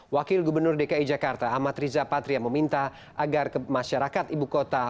wakil gubernur dki jakarta amat riza patria meminta agar masyarakat ibu kota